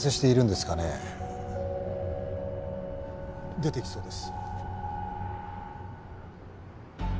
出てきそうです。